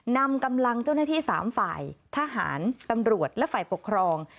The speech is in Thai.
นำกำลังเจ้าหน้าที่๓ฝ่ายทหารตำรวจและฝ่ายปกครอง